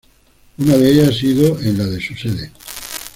Una de ellas ha sido en la de su sede.